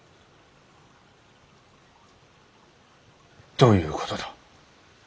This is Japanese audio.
どういうことだ？